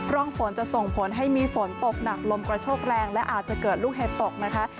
ร่องฝนจะส่งผลให้มีฝนตกหนักลมกระโชกแรงและอาจจะเกิดลูกเห็บตกนะคะ